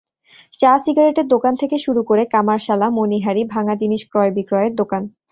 চা-সিগারেটের দোকান থেকে শুরু করে কামারশালা, মনিহারি, ভাঙা জিনিস ক্রয়-বিক্রয়ের দোকান।